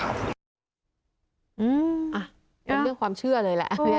เป็นเรื่องความเชื่อเลยแหละ